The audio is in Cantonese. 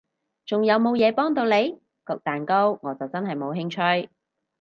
仲有無嘢幫到你？焗蛋糕我就真係冇興趣